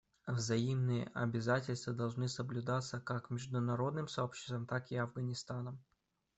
Взаимные обязательства должны соблюдаться как международным сообществом, так и Афганистаном.